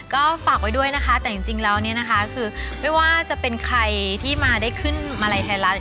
ก็ฝากไว้ด้วยนะคะแต่จริงแล้วเนี่ยนะคะคือไม่ว่าจะเป็นใครที่มาได้ขึ้นมาลัยไทยรัฐ